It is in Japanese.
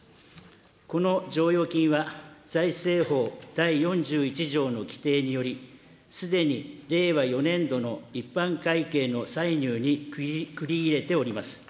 この剰余金は、財政法第４１条の規定により、すでに令和４年度の一般会計の歳入に繰り入れております。